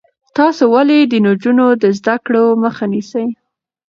تاسو ولې د نجونو د زده کړو مخه نیسئ؟